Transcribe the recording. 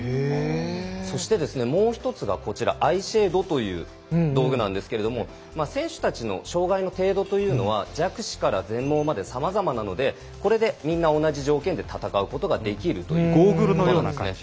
そしてもう一つが、こちらアイシェードという道具なんですけど選手たちの障がいの程度というのは弱視から全盲までさまざまなのでこれでみんな同じ条件で戦うことができるということなんです。